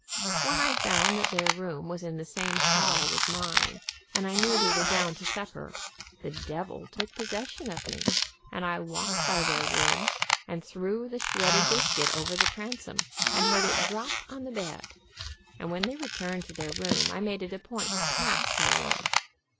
When I found that their room was in the same hall with mine, and I knew they were down to supper, the devil took possession of me, and I walked by their room and threw the shredded bis cuit over the transom and heard it drop on the bed, and when they returned to their room I made it a point to pass their room.